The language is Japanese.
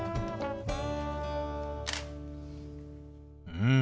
うん。